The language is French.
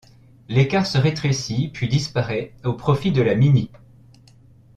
L’écart se rétrécit puis disparaît au profit de la Mini.